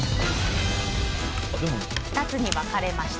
２つに分かれました。